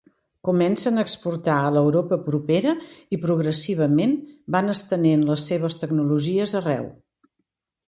Comencen a exportar a l'Europa propera, i progressivament van estenent les seves tecnologies arreu.